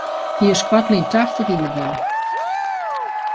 Hy is koartlyn tachtich jier wurden.